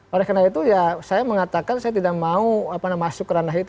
oleh karena itu ya saya mengatakan saya tidak mau masuk ke ranah itu